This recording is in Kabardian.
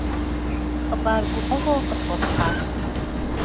Хъыбар гуфӀэгъуэ къытхуэпхьащ.